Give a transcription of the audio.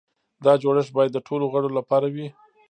دا جوړښت باید د ټولو غړو لپاره وي.